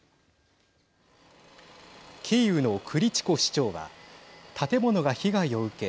キーウのクリチコ市長は建物が被害を受け